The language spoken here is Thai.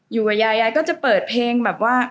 อยู่กับยายยายก็จะเปิดเพลงแบบว่า